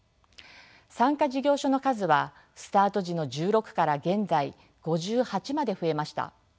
参加事業所の数はスタート時の１６から現在５８まで増えました。